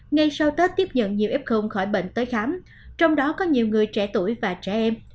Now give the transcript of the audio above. ngay sau tết tiếp nhận nhiều f khỏi bệnh tới khám trong đó có nhiều người trẻ tuổi và trẻ em